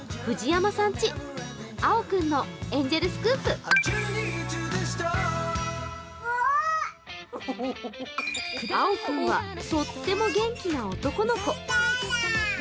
Ｎｏ．１あお君はとっても元気な男の子。